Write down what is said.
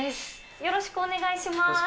よろしくお願いします。